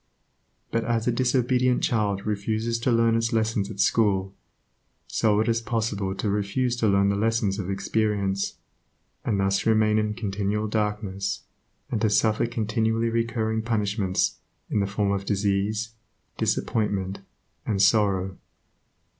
But as a disobedient child refuses to learn its lessons at school, so it is possible to refuse to learn the lessons of experience, and thus to remain in continual darkness, and to suffer continually recurring punishments in the form of disease, disappointment, and sorrow.